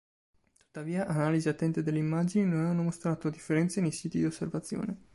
Tuttavia, analisi attente delle immagini non hanno mostrato differenze nei siti di osservazione.